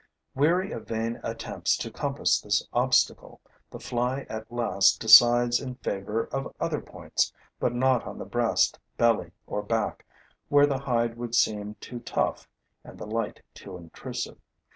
Weary of vain attempts to compass this obstacle, the Fly at last decides in favor of other points, but not on the breast, belly or back, where the hide would seem too tough and the light too intrusive.